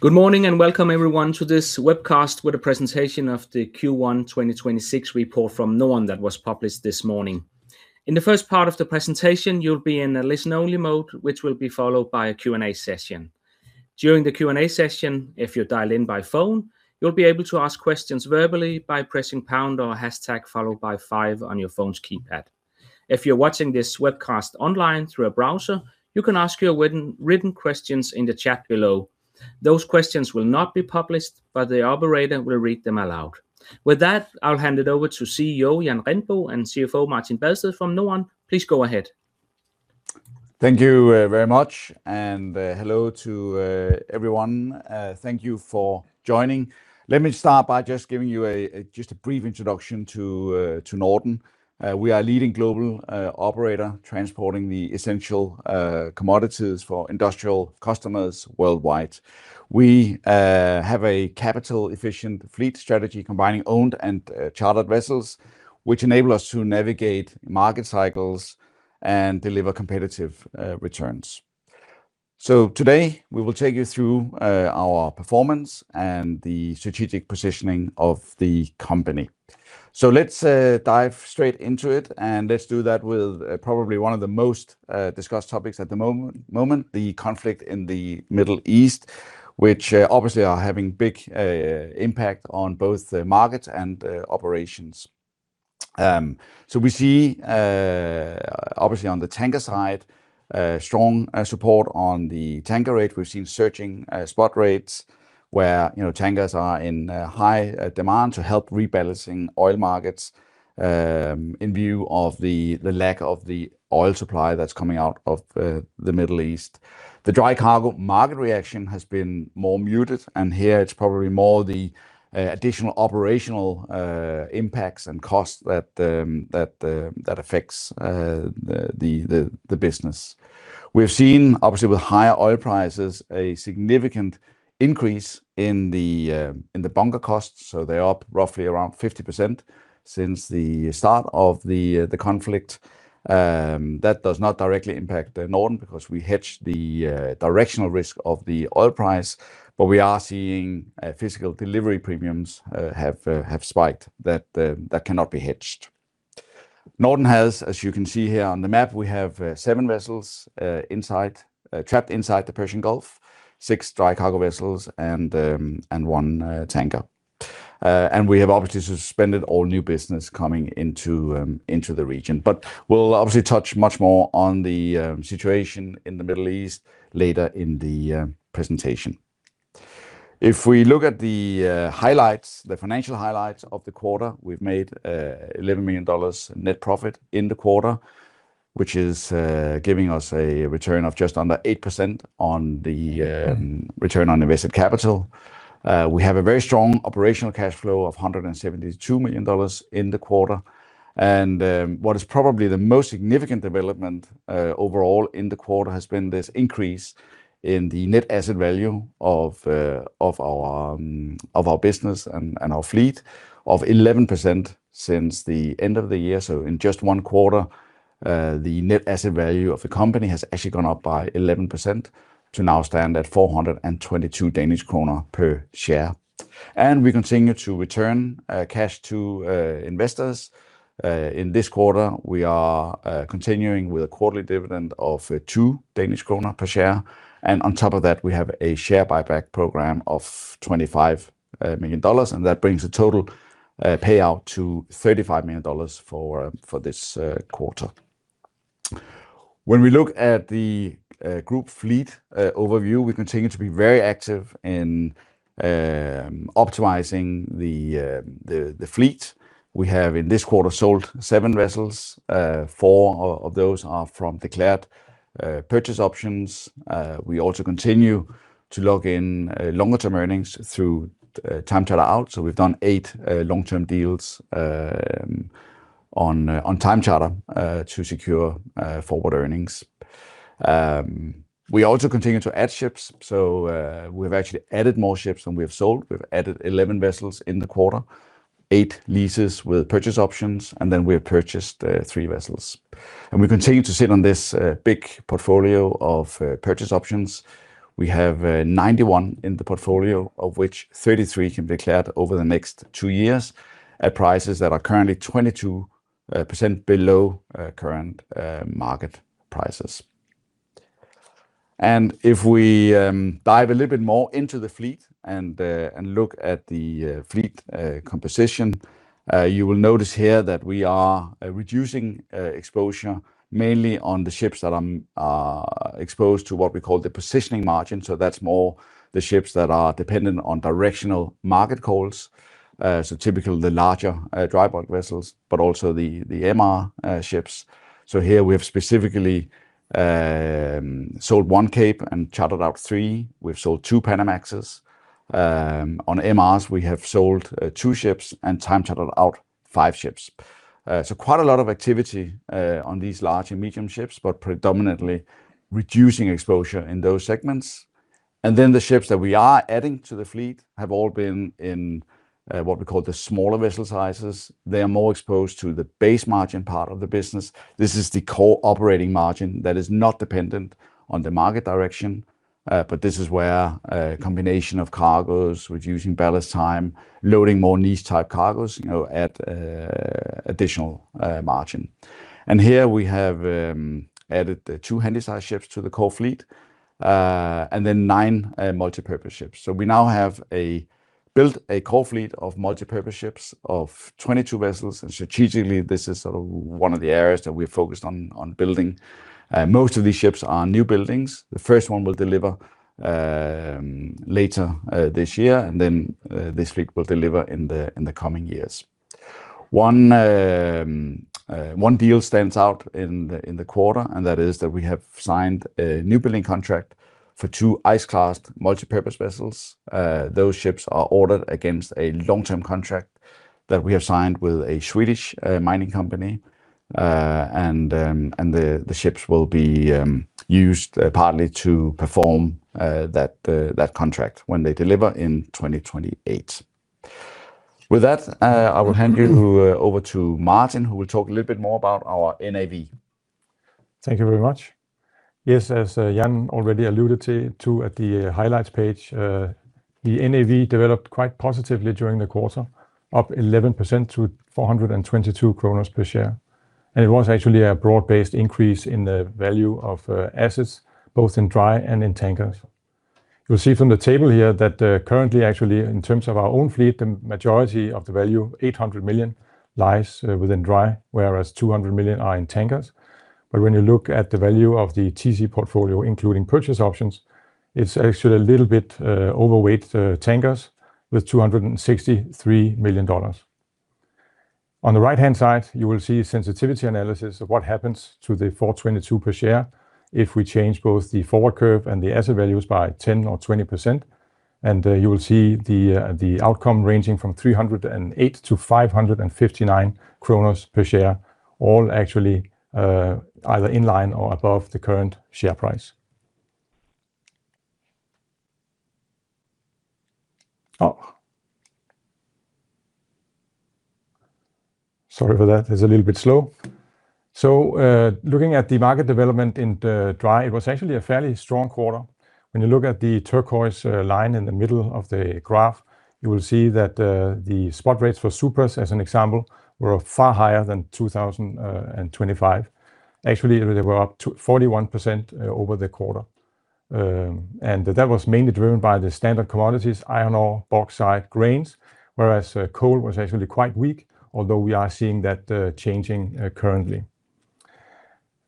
Good morning, and welcome everyone to this webcast with a presentation of the Q1 2026 report from Norden that was published this morning. In the first part of the presentation, you'll be in a listen-only mode, which will be followed by a Q&A session. During the Q&A session, if you dial in by phone, you'll be able to ask questions verbally by pressing pound or hashtag followed by 5 on your phone's keypad. If you're watching this webcast online through a browser, you can ask your written questions in the chat below. Those questions will not be published. The operator will read them aloud. With that, I'll hand it over to CEO Jan Rindbo and CFO Martin Badsted from Norden. Please go ahead. Thank you very much. Hello to everyone. Thank you for joining. Let me start by just giving you a brief introduction to Norden. We are a leading global operator transporting the essential commodities for industrial customers worldwide. We have a capital-efficient fleet strategy combining owned and chartered vessels, which enable us to navigate market cycles and deliver competitive returns. Today, we will take you through our performance and the strategic positioning of the company. Let's dive straight into it, and let's do that with probably one of the most discussed topics at the moment, the conflict in the Middle East, which obviously are having big impact on both the markets and operations. We see, obviously on the tanker side, a strong support on the tanker rate. We've seen surging spot rates where, you know, tankers are in high demand to help rebalancing oil markets, in view of the lack of the oil supply that's coming out of the Middle East. The dry cargo market reaction has been more muted, and here it's probably more the additional operational impacts and costs that affects the business. We've seen, obviously, with higher oil prices, a significant increase in the bunker costs, so they're up roughly around 50% since the start of the conflict. That does not directly impact the Norden because we hedge the directional risk of the oil price, but we are seeing physical delivery premiums have spiked that cannot be hedged. Norden has, as you can see here on the map, we have 7 vessels inside trapped inside the Persian Gulf, 6 dry cargo vessels and 1 tanker. We have obviously suspended all new business coming into the region. We'll obviously touch much more on the situation in the Middle East later in the presentation. If we look at the highlights, the financial highlights of the quarter, we've made $11 million net profit in the quarter, which is giving us a return of just under 8% on the return on invested capital. We have a very strong operational cash flow of $172 million in the quarter. What is probably the most significant development overall in the quarter has been this increase in the net asset value of our business and our fleet of 11% since the end of the year. In just 1 quarter, the net asset value of the company has actually gone up by 11% to now stand at 422 Danish kroner per share. We continue to return cash to investors. In this quarter, we are continuing with a quarterly dividend of 2 Danish kroner per share. On top of that, we have a share buyback program of $25 million, and that brings the total payout to $35 million for this quarter. When we look at the group fleet overview, we continue to be very active in optimizing the fleet. We have, in this quarter, sold seven vessels. 4 of those are from declared purchase options. We also continue to log in longer term earnings through time charter out, so we've done eight long-term deals on time charter to secure forward earnings. We also continue to add ships, so we've actually added more ships than we have sold. We've added 11 vessels in the quarter, eight leases with purchase options, and then we have purchased three vessels. We continue to sit on this big portfolio of purchase options. We have 91 in the portfolio, of which 33 can be cleared over the next 2 years at prices that are currently 22% below current market prices. If we dive a little bit more into the fleet and look at the fleet composition, you will notice here that we are reducing exposure mainly on the ships that exposed to what we call the positioning margin, so that's more the ships that are dependent on directional market calls. Typical the larger dry bulk vessels, but also the MR ships. Here we have specifically sold one Cape and chartered out 3. We've sold 2 Panamax. On MRs, we have sold 2 ships and time chartered out 5 ships. Quite a lot of activity on these large and medium ships, but predominantly reducing exposure in those segments. The ships that we are adding to the fleet have all been in what we call the smaller vessel sizes. They are more exposed to the base margin part of the business. This is the core operating margin that is not dependent on the market direction. This is where a combination of cargoes, reducing ballast time, loading more niche-type cargoes, you know, add additional margin. Here we have added the 2 Handysize ships to the core fleet, and then 9 multipurpose ships. We now have built a core fleet of multipurpose ships of 22 vessels, and strategically, this is sort of one of the areas that we're focused on building. Most of these ships are newbuildings. The first one will deliver later this year, and then this fleet will deliver in the coming years. One deal stands out in the quarter, and that is that we have signed a newbuilding contract for 2 ice-classed multipurpose vessels. Those ships are ordered against a long-term contract that we have signed with a Swedish mining company. And the ships will be used partly to perform that contract when they deliver in 2028. With that, I will hand you over to Martin, who will talk a little bit more about our NAV. Thank you very much. Yes, as Jan already alluded to, at the highlights page, the NAV developed quite positively during the quarter, up 11% to 422 kroner per share. It was actually a broad-based increase in the value of assets, both in Dry and in Tankers. You'll see from the table here that, currently, actually, in terms of our own fleet, the majority of the value, 800 million, lies within Dry, whereas 200 million are in Tankers. When you look at the value of the TC portfolio, including purchase options, it's actually a little bit overweight Tankers with $263 million. On the right-hand side, you will see sensitivity analysis of what happens to the 422 per share if we change both the forward curve and the asset values by 10% or 20%. You will see the outcome ranging from 308-559 per share, all actually either in line or above the current share price. Oh. Sorry for that. It's a little bit slow. Looking at the market development in the dry, it was actually a fairly strong quarter. When you look at the turquoise line in the middle of the graph, you will see that the spot rates for Supramax, as an example, were far higher than 2025. Actually, they were up to 41% over the quarter. That was mainly driven by the standard commodities, iron ore, bauxite, grains, whereas coal was actually quite weak, although we are seeing that changing currently.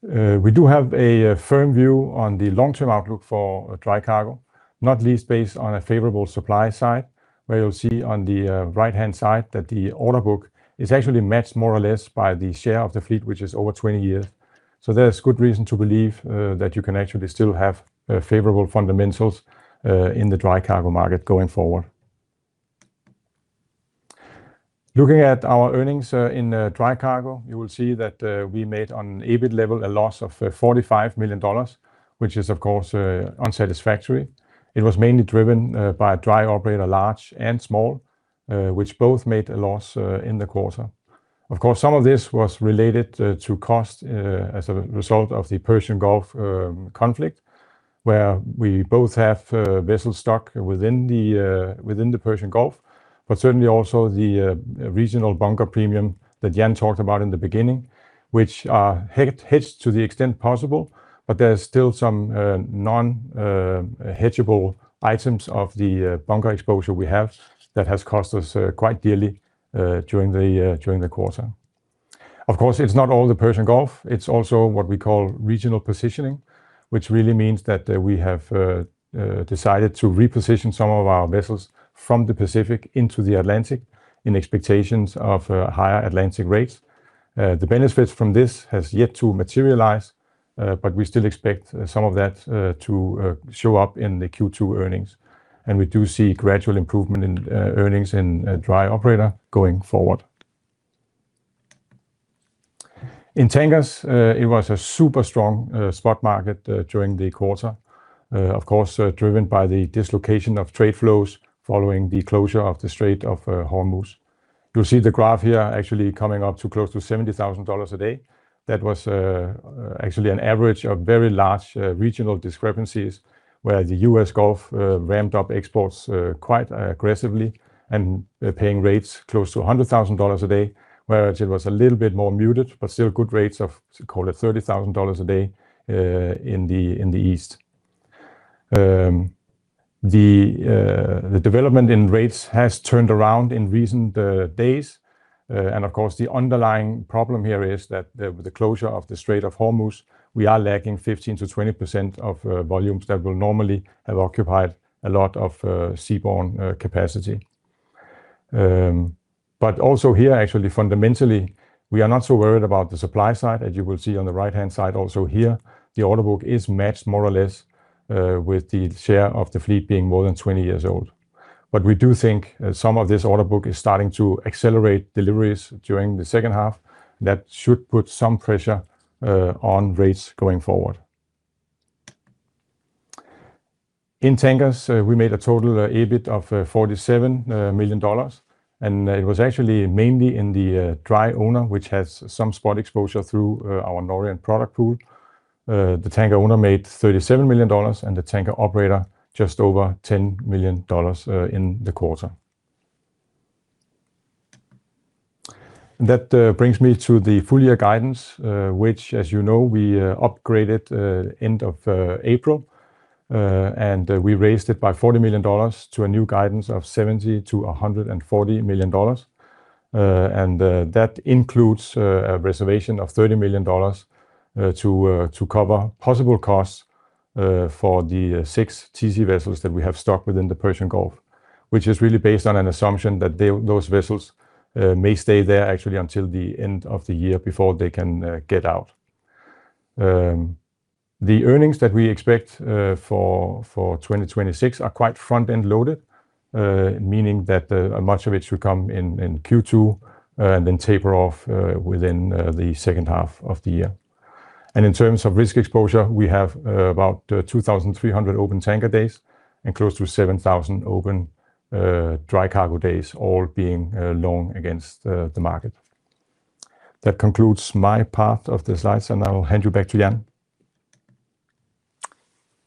We do have a firm view on the long-term outlook for dry cargo, not least based on a favorable supply side, where you'll see on the right-hand side that the order book is actually matched more or less by the share of the fleet, which is over 20 years. There's good reason to believe that you can actually still have favorable fundamentals in the dry cargo market going forward. Looking at our earnings in dry cargo, you will see that we made on EBIT level a loss of $45 million, which is, of course, unsatisfactory. It was mainly driven by Dry Operator large and small, which both made a loss in the quarter. Of course, some of this was related to cost as a result of the Persian Gulf conflict, where we both have vessels stuck within the within the Persian Gulf. Certainly also the regional bunker premium that Jan talked about in the beginning, which are hedged to the extent possible. There is still some non-hedgeable items of the bunker exposure we have that has cost us quite dearly during the during the quarter. Of course, it's not all the Persian Gulf. It's also what we call regional positioning, which really means that we have decided to reposition some of our vessels from the Pacific into the Atlantic in expectations of higher Atlantic rates. The benefits from this has yet to materialize, we still expect some of that to show up in the Q2 earnings. We do see gradual improvement in earnings in Dry Operator going forward. In tankers, it was a super strong spot market during the quarter, of course, driven by the dislocation of trade flows following the closure of the Strait of Hormuz. You'll see the graph here actually coming up to close to $70,000 a day. That was actually an average of very large regional discrepancies, where the U.S. Gulf ramped up exports quite aggressively and paying rates close to $100,000 a day, whereas it was a little bit more muted, but still good rates of, call it, $30,000 a day in the east. The development in rates has turned around in recent days. Of course, the underlying problem here is that the closure of the Strait of Hormuz, we are lacking 15%-20% of volumes that will normally have occupied a lot of seaborne capacity. Also here, actually, fundamentally, we are not so worried about the supply side, as you will see on the right-hand side also here. The order book is matched more or less with the share of the fleet being more than 20 years old. We do think some of this order book is starting to accelerate deliveries during the second half. That should put some pressure on rates going forward. In tankers, we made a total EBIT of $47 million. It was actually mainly in the Dry owner which has some spot exposure through our Norient Product Pool. The Tanker owner made $37 million, and the Tanker operator just over $10 million in the quarter. That brings me to the full year guidance, which, as you know, we upgraded end of April. We raised it by $40 million to a new guidance of $70 million-$140 million. That includes a reservation of $30 million to cover possible costs for the 6 TC vessels that we have stuck within the Persian Gulf. Those vessels may stay there actually until the end of the year before they can get out. The earnings that we expect for 2026 are quite front-end loaded, meaning that much of it should come in in Q2 and then taper off within the second half of the year. In terms of risk exposure, we have about 2,300 open tanker days and close to 7,000 open dry cargo days, all being long against the market. That concludes my part of the slides, and I will hand you back to Jan.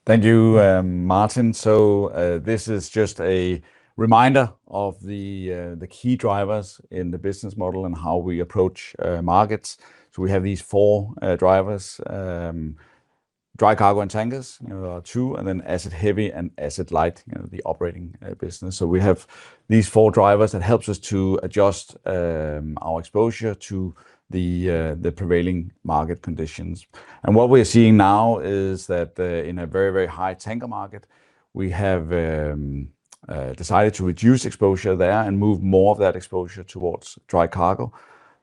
Thank you, Martin. This is just a reminder of the key drivers in the business model and how we approach markets. We have these four drivers, dry cargo and tankers, you know, are two, and then asset heavy and asset light, you know, the operating business. We have these four drivers that helps us to adjust our exposure to the prevailing market conditions. What we're seeing now is that in a very, very high tanker market, we have decided to reduce exposure there and move more of that exposure towards dry cargo.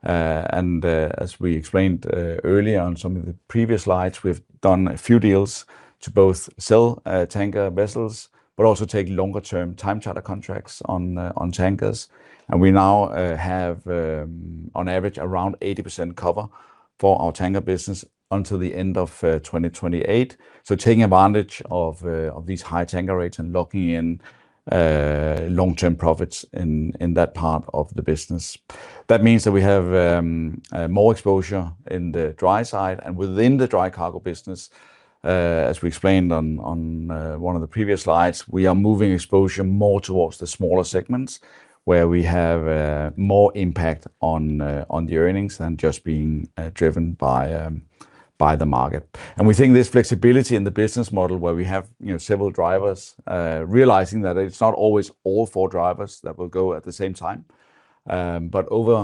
As we explained earlier on some of the previous slides, we've done a few deals to both sell tanker vessels but also take longer-term time charter contracts on tankers. We now have, on average, around 80% cover for our tanker business until the end of 2028. Taking advantage of these high tanker rates and locking in long-term profits in that part of the business. That means that we have more exposure in the dry side and within the dry cargo business. As we explained on 1 of the previous slides, we are moving exposure more towards the smaller segments where we have more impact on the earnings than just being driven by the market. We think this flexibility in the business model where we have, you know, several drivers, realizing that it's not always all 4 drivers that will go at the same time. Over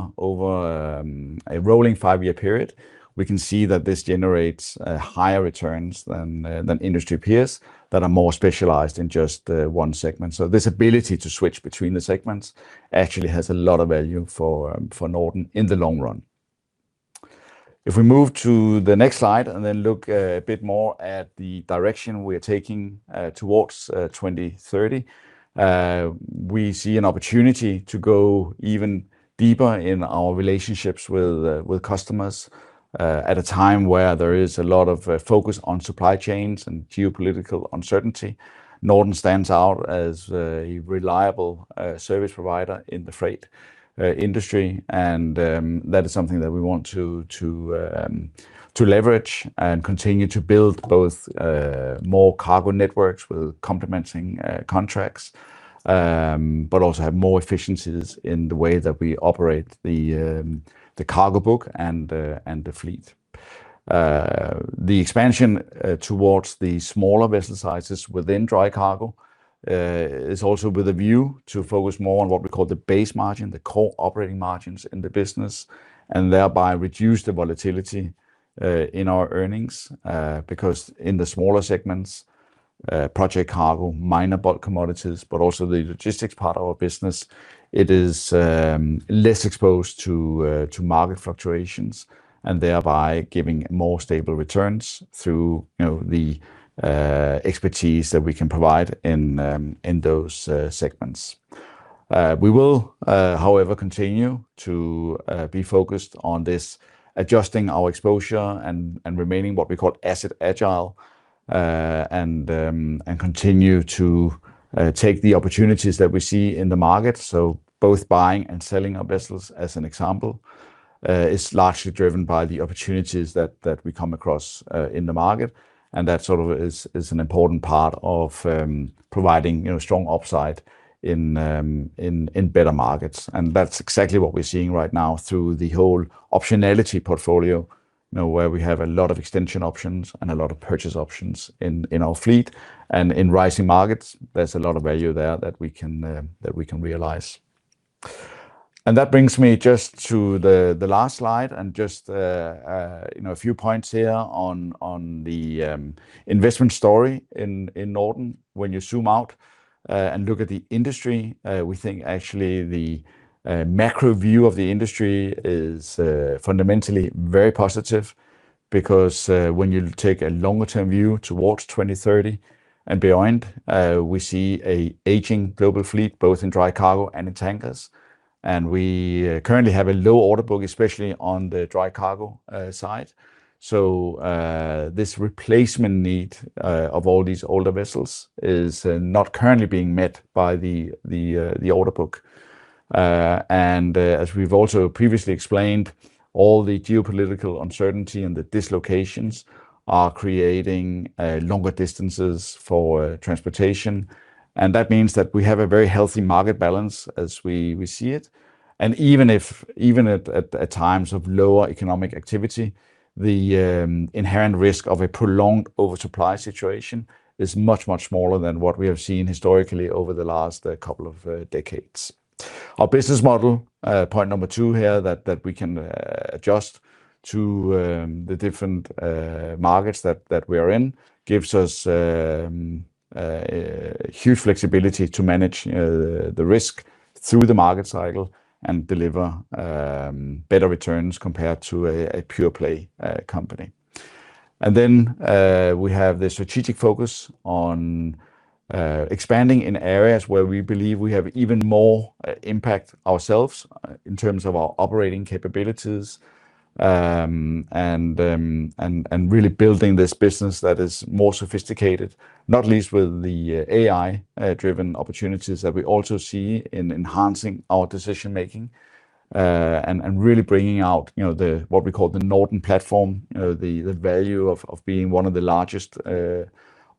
a rolling five-year period, we can see that this generates higher returns than industry peers that are more specialized in just one segment. This ability to switch between the segments actually has a lot of value for Norden in the long run. If we move to the next slide and then look a bit more at the direction we're taking towards 2030, we see an opportunity to go even deeper in our relationships with customers at a time where there is a lot of focus on supply chains and geopolitical uncertainty. Norden stands out as a reliable service provider in the freight industry. That is something that we want to leverage and continue to build both more cargo networks with complementing contracts, but also have more efficiencies in the way that we operate the cargo book and the fleet. The expansion towards the smaller vessel sizes within Dry cargo is also with a view to focus more on what we call the base margin, the core operating margins in the business, and thereby reduce the volatility in our earnings. Because in the smaller segments, project cargo, minor bulk commodities, but also the logistics part of our business, it is less exposed to market fluctuations and thereby giving more stable returns through, you know, the expertise that we can provide in those segments. We will, however, continue to be focused on this, adjusting our exposure and remaining what we call asset agile, and continue to take the opportunities that we see in the market. Both buying and selling our vessels, as an example, is largely driven by the opportunities that we come across in the market, and that sort of is an important part of providing, you know, strong upside in better markets. That's exactly what we're seeing right now through the whole optionality portfolio, you know, where we have a lot of extension options and a lot of purchase options in our fleet. In rising markets, there's a lot of value there that we can that we can realize. That brings me just to the last slide and just, you know, a few points here on the investment story in Norden. When you zoom out and look at the industry, we think actually the macro view of the industry is fundamentally very positive because when you take a longer-term view towards 2030 and beyond, we see a aging global fleet both in dry cargo and in tankers. We currently have a low order book, especially on the dry cargo side. This replacement need of all these older vessels is not currently being met by the order book. As we've also previously explained, all the geopolitical uncertainty and the dislocations are creating longer distances for transportation, and that means that we have a very healthy market balance as we see it. Even if, even at times of lower economic activity, the inherent risk of a prolonged oversupply situation is much, much smaller than what we have seen historically over the last couple of decades. Our business model, point 2 here that we can adjust to the different markets that we are in gives us huge flexibility to manage the risk through the market cycle and deliver better returns compared to a pure play company. We have the strategic focus on expanding in areas where we believe we have even more impact ourselves in terms of our operating capabilities, and really building this business that is more sophisticated, not least with the AI driven opportunities that we also see in enhancing our decision-making, and really bringing out, you know, the what we call the Norden platform. You know, the value of being one of the largest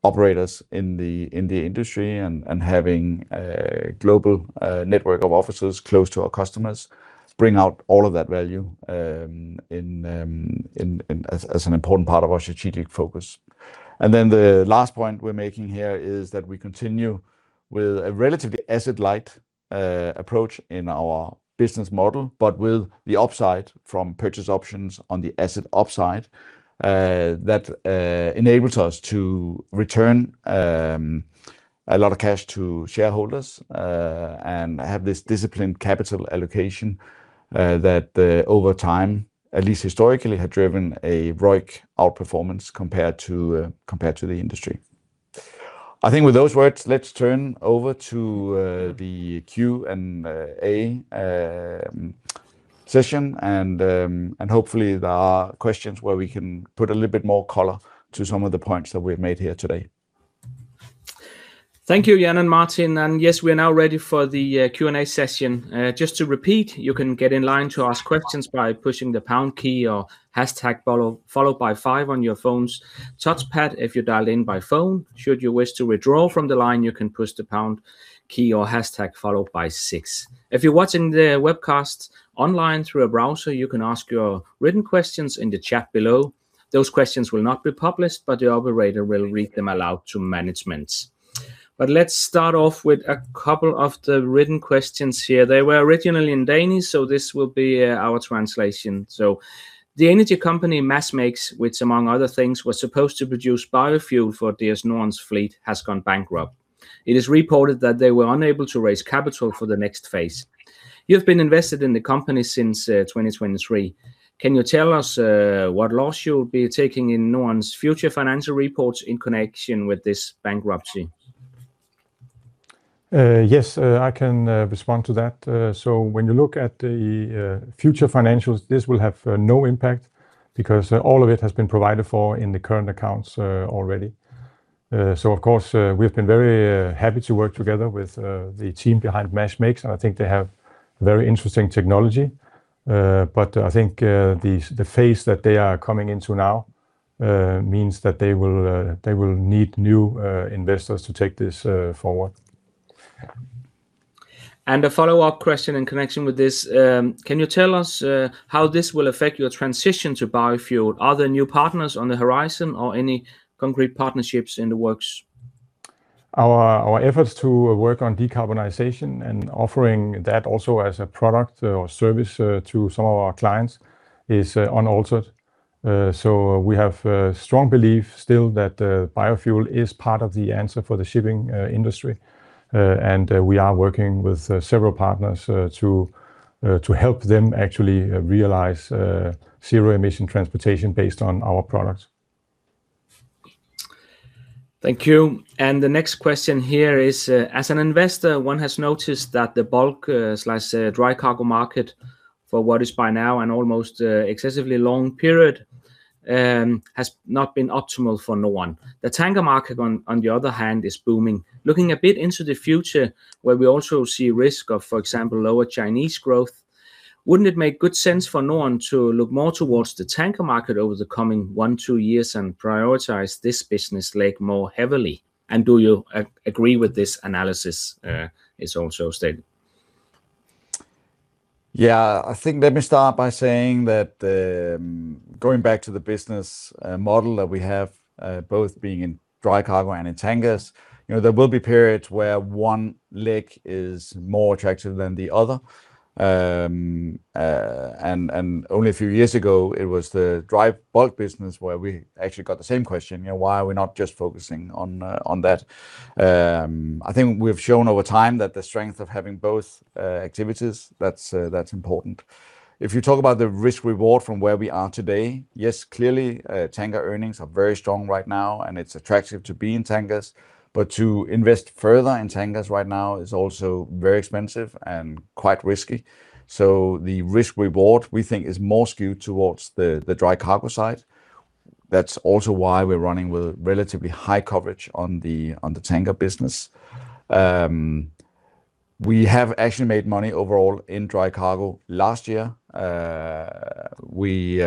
operators in the industry and having a global network of offices close to our customers bring out all of that value as an important part of our strategic focus. The last point we're making here is that we continue with a relatively asset-light approach in our business model, but with the upside from purchase options on the asset upside that enables us to return a lot of cash to shareholders and have this disciplined capital allocation that over time, at least historically, had driven a ROIC outperformance compared to the industry. I think with those words, let's turn over to the Q&A session, and hopefully there are questions where we can put a little bit more color to some of the points that we've made here today. Thank you, Jan and Martin. Yes, we are now ready for the Q&A session. Just to repeat, you can get in line to ask questions by pushing the pound key or hashtag followed by 5 on your phone's touchpad if you dialed in by phone. Should you wish to withdraw from the line, you can push the pound key or hashtag followed by 6. If you're watching the webcast online through a browser, you can ask your written questions in the chat below. Those questions will not be published, but the operator will read them aloud to management. Let's start off with a couple of the written questions here. They were originally in Danish, this will be our translation. The energy company Mash Makes, which among other things was supposed to produce biofuel for DS Norden's fleet, has gone bankrupt. It is reported that they were unable to raise capital for the next phase. You've been invested in the company since 2023. Can you tell us what loss you'll be taking in Norden's future financial reports in connection with this bankruptcy? Yes, I can respond to that. When you look at the future financials, this will have no impact because all of it has been provided for in the current accounts already. Of course, we've been very happy to work together with the team behind MASH Makes, and I think they have very interesting technology. I think the phase that they are coming into now means that they will, they will need new investors to take this forward. A follow-up question in connection with this. Can you tell us how this will affect your transition to biofuel? Are there new partners on the horizon or any concrete partnerships in the works? Our efforts to work on decarbonization and offering that also as a product or service to some of our clients is unaltered. We have a strong belief still that biofuel is part of the answer for the shipping industry. We are working with several partners to help them actually realize zero emission transportation based on our products. Thank you. The next question here is, as an investor, one has noticed that the bulk slash dry cargo market for what is by now an almost excessively long period has not been optimal for Norden. The tanker market on the other hand, is booming. Looking a bit into the future where we also see risk of, for example, lower Chinese growth, wouldn't it make good sense for Norden to look more towards the tanker market over the coming 1, 2 years and prioritize this business leg more heavily? Do you agree with this analysis, is also stated? Yeah. I think let me start by saying that, going back to the business model that we have, both being in dry cargo and in tankers, you know, there will be periods where one leg is more attractive than the other. Only a few years ago it was the dry bulk business where we actually got the same question. You know, why are we not just focusing on that? I think we've shown over time that the strength of having both activities, that's important. If you talk about the risk-reward from where we are today, yes, clearly, tanker earnings are very strong right now, and it's attractive to be in tankers. To invest further in tankers right now is also very expensive and quite risky. The risk-reward we think is more skewed towards the dry cargo side. That's also why we're running with relatively high coverage on the tanker business. We have actually made money overall in dry cargo last year. We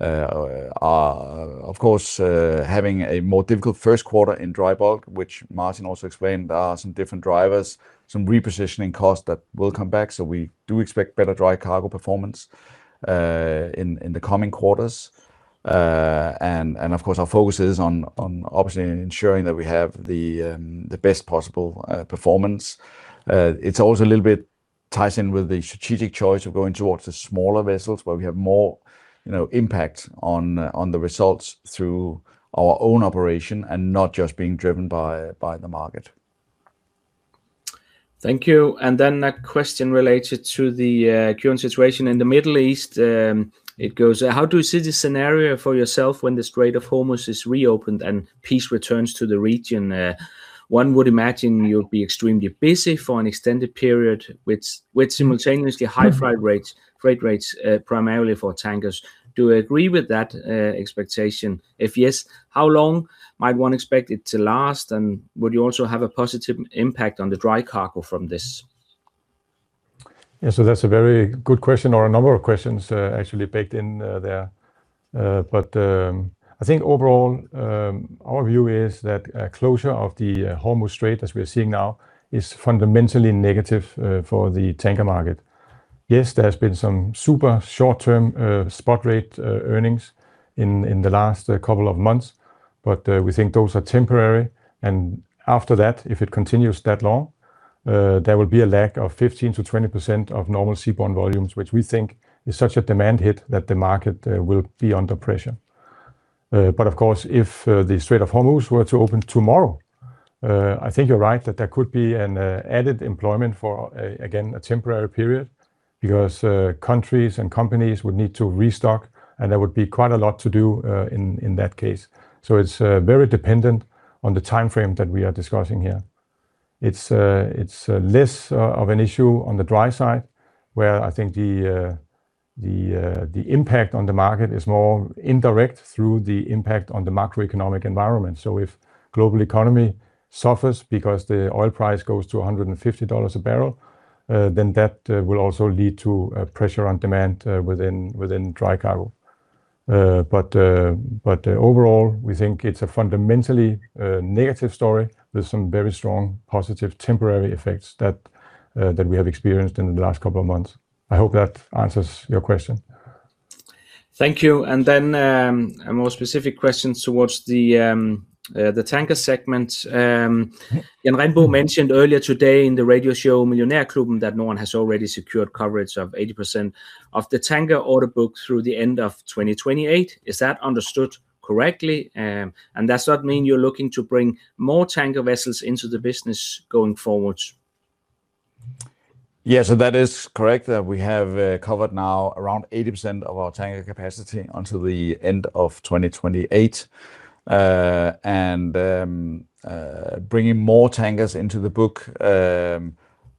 are of course having a more difficult first quarter in dry bulk, which Martin also explained are some different drivers, some repositioning costs that will come back. We do expect better dry cargo performance in the coming quarters. Of course our focus is on obviously ensuring that we have the best possible performance. It's also a little bit ties in with the strategic choice of going towards the smaller vessels where we have more, you know, impact on the results through our own operation and not just being driven by the market. Thank you. A question related to the current situation in the Middle East. It goes, "How do you see the scenario for yourself when the Strait of Hormuz is reopened and peace returns to the region? One would imagine you'll be extremely busy for an extended period with simultaneously high freight rates, primarily for tankers. Do you agree with that expectation? If yes, how long might one expect it to last and would you also have a positive impact on the dry cargo from this? Yeah, that's a very good question or a number of questions, actually baked in there. I think overall, our view is that closure of the Hormuz Strait as we are seeing now is fundamentally negative for the tanker market. Yes, there has been some super short-term spot rate earnings in the last couple of months, we think those are temporary. After that, if it continues that long, there will be a lack of 15%-20% of normal seaborne volumes, which we think is such a demand hit that the market will be under pressure. Of course, if the Strait of Hormuz were to open tomorrow, I think you're right that there could be an added employment for, again, a temporary period because countries and companies would need to restock and there would be quite a lot to do in that case. It's very dependent on the timeframe that we are discussing here. It's less of an issue on the Dry side where I think the impact on the market is more indirect through the impact on the macroeconomic environment. If global economy suffers because the oil price goes to $150 a barrel, then that will also lead to pressure on demand within dry cargo. Overall we think it's a fundamentally negative story with some very strong positive temporary effects that we have experienced in the last couple of months. I hope that answers your question. Thank you. Then a more specific question towards the tanker segment. Jan Rindbo mentioned earlier today in the radio show, Millionærklubben, that Norden has already secured coverage of 80% of the tanker order book through the end of 2028. Is that understood correctly? Does that mean you're looking to bring more tanker vessels into the business going forward? Yeah, that is correct. We have covered now around 80% of our tanker capacity until the end of 2028. Bringing more tankers into the book,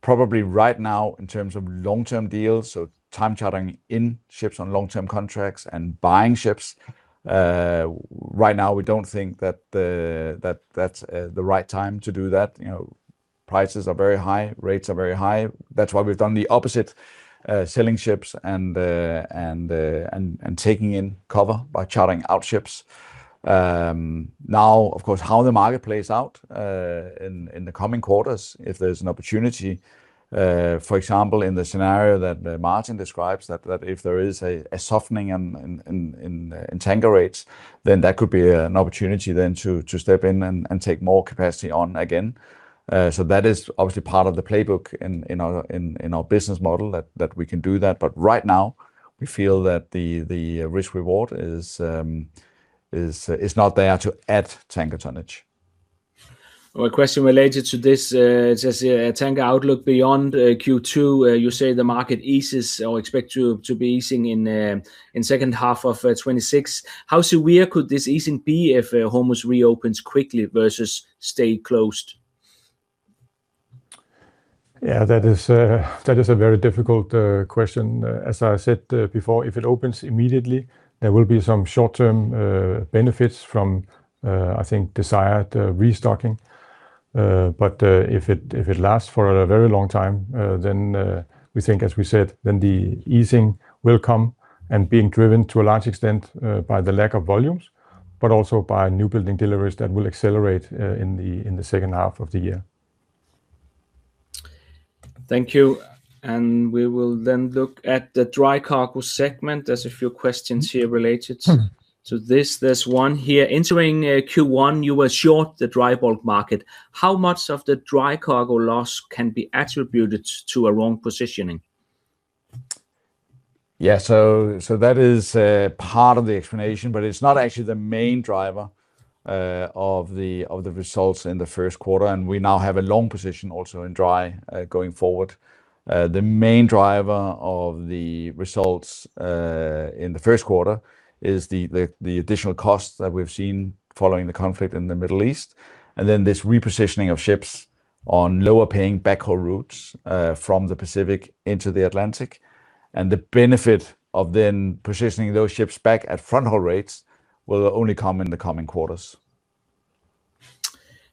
probably right now in terms of long-term deals, so time chartering in ships on long-term contracts and buying ships, right now we don't think that that's the right time to do that. You know, prices are very high, rates are very high. That's why we've done the opposite, selling ships and taking in cover by chartering out ships. Of course, how the market plays out in the coming quarters if there's an opportunity, for example, in the scenario that Martin describes that if there is a softening in tanker rates then that could be an opportunity then to step in and take more capacity on again. That is obviously part of the playbook in our business model that we can do that. Right now we feel that the risk reward is not there to add tanker tonnage. A question related to this, it says here, "A tanker outlook beyond Q2, you say the market eases or expect to be easing in second half of 2026. How severe could this easing be if Hormuz reopens quickly versus stay closed? Yeah, that is a very difficult question. As I said before, if it opens immediately there will be some short-term benefits from I think desired restocking. If it lasts for a very long time, then we think, as we said, then the easing will come and being driven to a large extent by the lack of volumes, but also by newbuilding deliveries that will accelerate in the second half of the year. Thank you. We will then look at the dry cargo segment. There's a few questions here related to this. There's one here, "Entering Q1 you were short the dry bulk market. How much of the dry cargo loss can be attributed to a wrong positioning? That is part of the explanation, but it's not actually the main driver of the results in the first quarter. We now have a long position also in dry going forward. The main driver of the results in the first quarter is the additional costs that we've seen following the conflict in the Middle East, and then this repositioning of ships on lower paying backhaul routes from the Pacific into the Atlantic. The benefit of then positioning those ships back at fronthaul rates will only come in the coming quarters.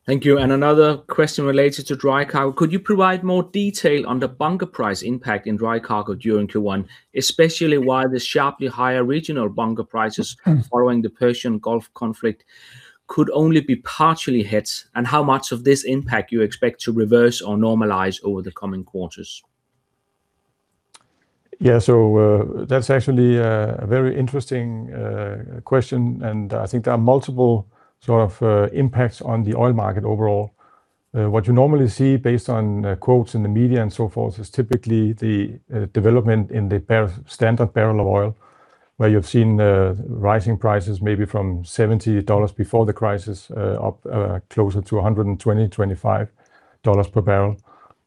Thank you. Another question related to dry cargo. Could you provide more detail on the bunker price impact in dry cargo during Q1, especially why the sharply higher regional bunker prices following the Persian Gulf conflict could only be partially hedged, and how much of this impact you expect to reverse or normalize over the coming quarters? That's actually a very interesting question, I think there are multiple sort of impacts on the oil market overall. What you normally see based on quotes in the media and so forth is typically the development in the standard barrel of oil, where you've seen the rising prices maybe from $70 before the crisis, up closer to $120, $25 per barrel.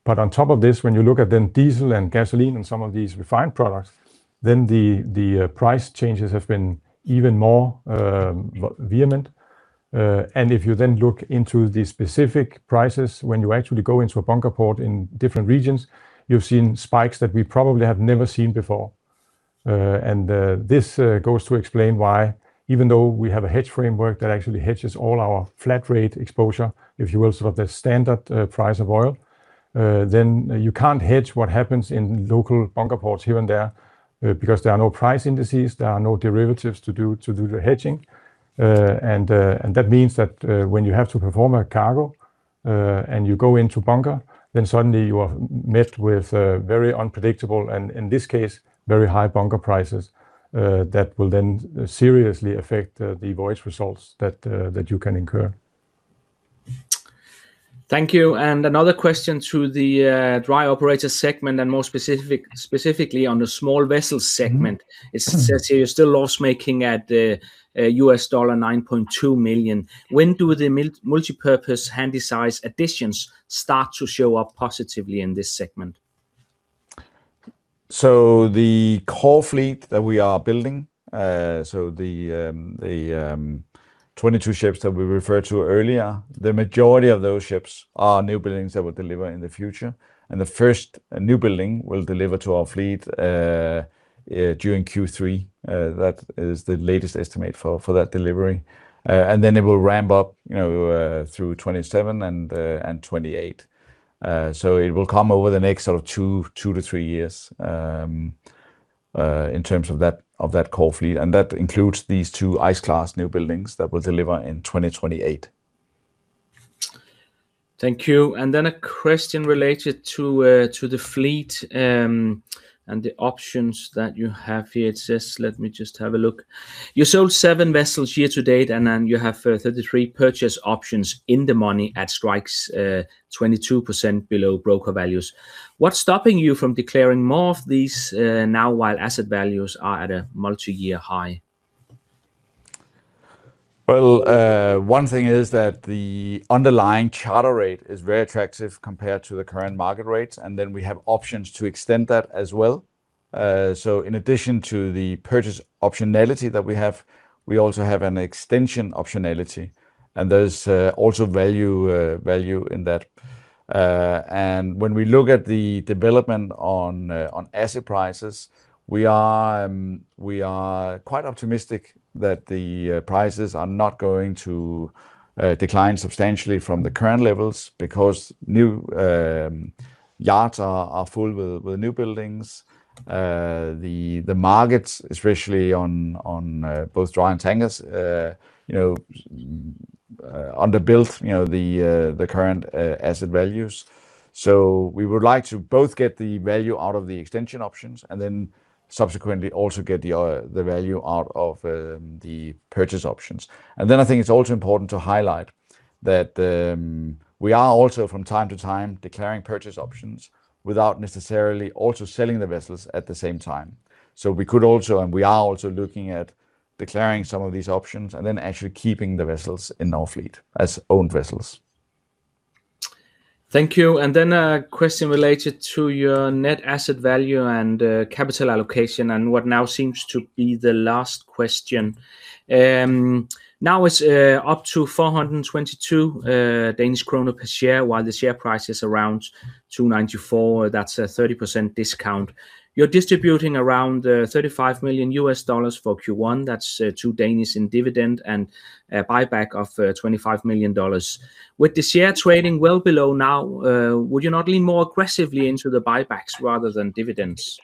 On top of this, when you look at then diesel and gasoline and some of these refined products, then the price changes have been even more vehement. If you then look into the specific prices when you actually go into a bunker port in different regions, you've seen spikes that we probably have never seen before. This goes to explain why even though we have a hedge framework that actually hedges all our flat rate exposure, if you will, sort of the standard price of oil, then you can't hedge what happens in local bunker ports here and there, because there are no price indices, there are no derivatives to do the hedging. That means that when you have to perform a cargo, and you go into bunker, then suddenly you are met with very unpredictable and, in this case, very high bunker prices, that will then seriously affect the voyage results that you can incur. Thank you. Another question to the Dry Operator segment, and specifically on the small vessel segment. It says here you're still loss-making at US dollar $9.2 million. When do the multipurpose Handysize additions start to show up positively in this segment? The core fleet that we are building, the 22 ships that we referred to earlier, the majority of those ships are newbuildings that we'll deliver in the future. The first newbuilding will deliver to our fleet during Q3. That is the latest estimate for that delivery. It will ramp up, you know, through 2027 and 2028. It will come over the next sort of two to three years in terms of that core fleet, and that includes these 2 ice-classed newbuildings that will deliver in 2028. Thank you. A question related to the fleet and the options that you have here. It says You sold 7 vessels year to date, and then you have 33 purchase options in the money at strikes 22% below broker values. What's stopping you from declaring more of these now while asset values are at a multi-year high? Well, one thing is that the underlying charter rate is very attractive compared to the current market rates, and then we have options to extend that as well. In addition to the purchase optionality that we have, we also have an extension optionality, and there's also value in that. When we look at the development on asset prices, we are quite optimistic that the prices are not going to decline substantially from the current levels because new yards are full with newbuildings. The markets, especially on both dry and tankers, you know, under built, you know, the current asset values. We would like to both get the value out of the extension options and then subsequently also get the value out of the purchase options. I think it's also important to highlight that we are also from time to time declaring purchase options without necessarily also selling the vessels at the same time. We could also, and we are also looking at declaring some of these options and then actually keeping the vessels in our fleet as owned vessels. Thank you. Then a question related to your net asset value and capital allocation, and what now seems to be the last question. Now it's up to 422 Danish kroner per share, while the share price is around $294. That's a 30% discount. You're distributing around $35 million for Q1. That's 2 in dividend and a buyback of $25 million. With the shares trading well below now, would you not lean more aggressively into the buybacks rather than dividends?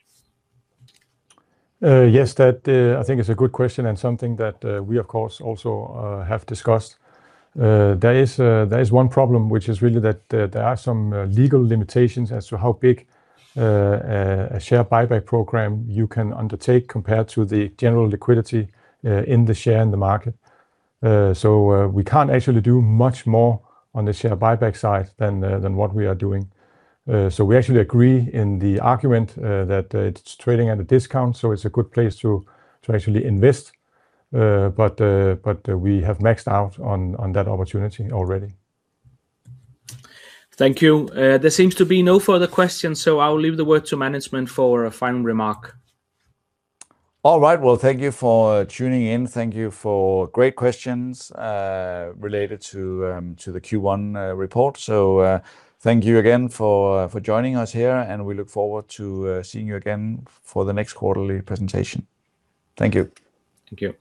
Yes, that, I think is a good question and something that, we of course also, have discussed. There is, there is one problem, which is really that, there are some, legal limitations as to how big, a share buyback program you can undertake compared to the general liquidity, in the share in the market. We can't actually do much more on the share buyback side than what we are doing. We actually agree in the argument, that, it's trading at a discount, so it's a good place to actually invest. But we have maxed out on that opportunity already. Thank you. There seems to be no further questions, so I will leave the word to management for a final remark. All right. Well, thank you for tuning in. Thank you for great questions, related to the Q1 report. Thank you again for joining us here, and we look forward to seeing you again for the next quarterly presentation. Thank you. Thank you.